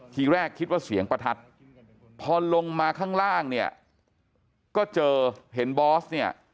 ทีแรกคิดว่าเสียงประทัดพอลงมาข้างล่างเนี่ยก็เจอเห็นบอสเนี่ย